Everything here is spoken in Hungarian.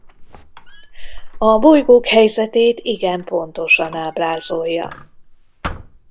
A bolygók helyzetét igen pontosan ábrázolja.